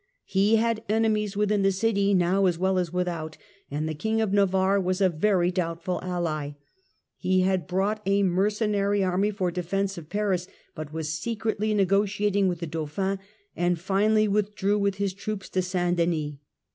He had enemies within the city now as well as without, and the King of Navarre was a very doubtful ally ; he had brought a mercenary army for defence of Paris, but was secretly negotiating with the Dauphin, and finally with drew with his troops to St. Denis.